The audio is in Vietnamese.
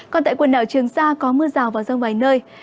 còn tại quần đảo trường sa có mưa rào và rông vài nơi